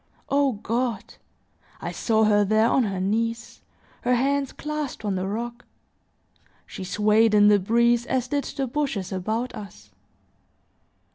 O God! I saw her there on her knees, her hands clasped on the rock; she swayed in the breeze as did the bushes about us.